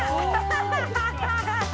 ハハハハ！